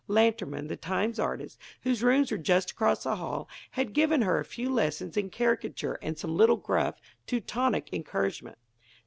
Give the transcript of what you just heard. Lantermann, the Times artist, whose rooms were just across the hall, had given her a few lessons in caricature and some little gruff, Teutonic encouragement.